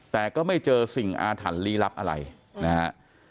แต่ก็ไม่เจอสิ่งอาถรรพ์ลี้ลับอะไรนะฮะ